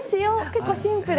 結構シンプル。